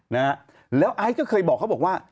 นะฮะแล้วไอซ์ก็เคยบอกเขาบอกว่า